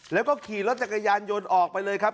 แล้วก็ขี่รถจักรยานยนต์ออกไปเลยครับ